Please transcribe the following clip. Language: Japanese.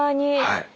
はい。